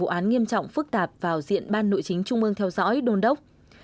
các vụ án nghiêm trọng phức tạp vào diện ban nội chính trung mương theo dõi đôn đốc